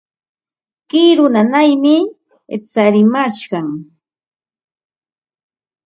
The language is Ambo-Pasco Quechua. Kiru nanaymi tsarimashqan.